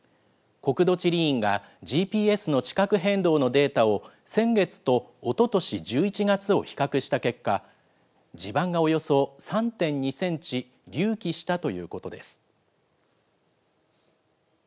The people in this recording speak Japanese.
国土地理院がＧＰＳの地殻変動のデータを、先月とおととし１１月を比較した結果、地盤がおよそ３．２センチ隆起したということです。